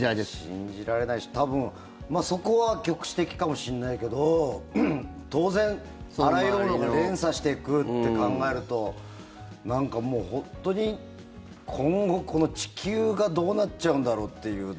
信じられないし多分、そこは局地的かもしれないけど当然、あらゆるものが連鎖してくるって考えるとなんかもう、本当に今後この地球がどうなっちゃうんだろうっていうような。